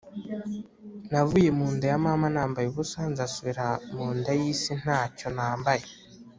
Navuye mu nda ya mama nambaye ubusa nzasubira mu nda y’isi ntacyo nambaye